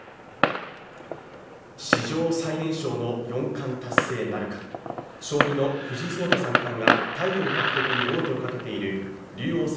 史上最年少の４冠達成なるか将棋の藤井聡太３冠がタイトル獲得に王手をかけている竜王戦